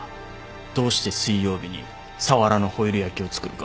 どうして水曜日にサワラのホイル焼きを作るか。